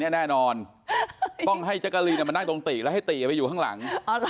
แน่นอนต้องให้แจ๊กกะลีนมานั่งตรงติแล้วให้ติไปอยู่ข้างหลัง